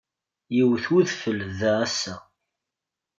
Iwet udfel da ass-a.